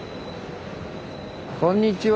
こんにちは。